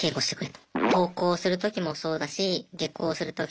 登校する時もそうだし下校する時とか。